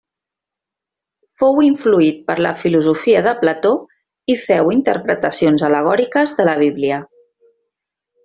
Fou influït per la filosofia de Plató i féu interpretacions al·legòriques de la Bíblia.